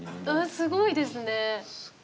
すごいですね。